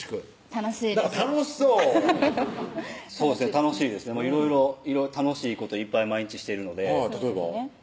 楽しいです楽しそうそうですね楽しいですねいろいろ楽しいこといっぱい毎日してるので例えば？